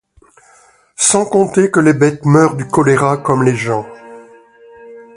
Sans compter que les bêtes meurent du choléra, comme les gens.